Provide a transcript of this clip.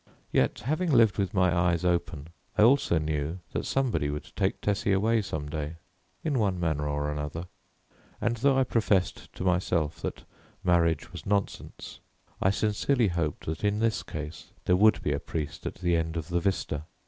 Yet, having lived with my eyes open, I also knew that somebody would take Tessie away some day, in one manner or another, and though I professed to myself that marriage was nonsense, I sincerely hoped that, in this case, there would be a priest at the end of the vista.